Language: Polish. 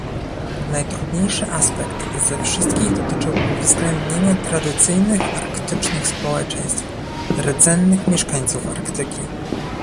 Najtrudniejszy aspekt ze wszystkich dotyczył uwzględnienia tradycyjnych arktycznych społeczeństw - rdzennych mieszkańców Arktyki